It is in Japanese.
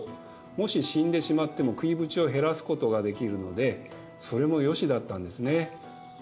もし死んでしまっても食いぶちを減らすことができるのでそれもよしだったんですね。